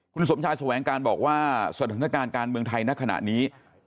คุณสมชายแสวงการบอกว่าสถานการณ์การเมืองไทยณขณะนี้